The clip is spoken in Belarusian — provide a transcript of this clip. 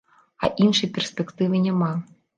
А іншай перспектывы няма.